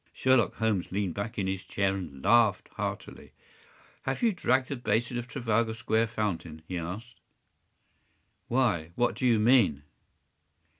” Sherlock Holmes leaned back in his chair and laughed heartily. “Have you dragged the basin of Trafalgar Square fountain?” he asked. “Why? What do you mean?